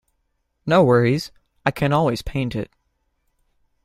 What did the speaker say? No worries, I can always paint it.